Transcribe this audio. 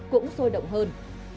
cũng sôi động hơn